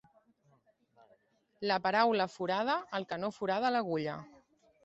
La paraula forada el que no forada l'agulla.